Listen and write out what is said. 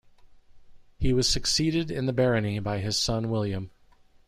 He was succeeded in the barony by his son William.